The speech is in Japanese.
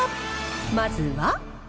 まずは。